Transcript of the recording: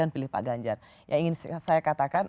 pilih pak ganjar yang ingin saya katakan